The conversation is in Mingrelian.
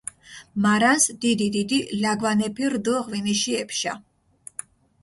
მარანს დიდი-დიდი ლაგვანეფი რდჷ ღვინიში ეფშა.